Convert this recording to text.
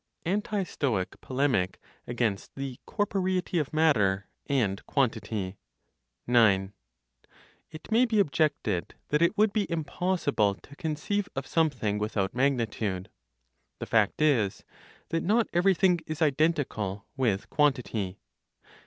ANTI STOIC POLEMIC, AGAINST THE CORPOREITY OF MATTER AND QUANTITY. 9. It may be objected that it would be impossible to conceive of something without magnitude. The fact is that not everything is identical with quantity.